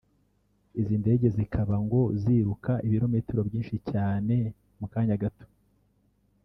izi ndege zikaba ngo ziruka ibirometero byinshi cyane mu kanya gato